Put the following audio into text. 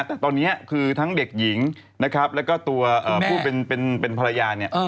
แต่ตอนเนี้ยคือทั้งเด็กหญิงนะครับแล้วก็ตัวเอ่อผู้เป็นเป็นเป็นภรรยาเนี่ยเออ